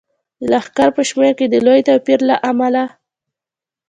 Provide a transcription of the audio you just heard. د لښکر په شمیر کې د لوی توپیر له امله.